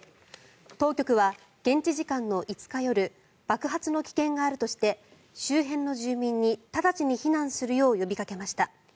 当局は現地時間の５日夜爆発の危険があるとして周辺の住民に直ちに避難するよう呼びかけました。